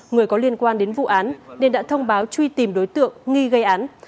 người có liên quan đến vụ án nên đã thông báo truy tìm đối tượng nghi gây án